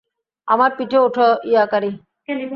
আমার পিঠে ওঠো, ইয়াকারি!